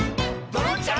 「ドロンチャ！